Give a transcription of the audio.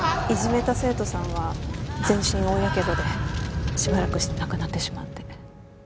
いじめた生徒さんは全身大やけどでしばらくして亡くなってしまって。